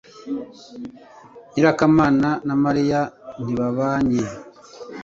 nyirakamana na Mariya ntibabanye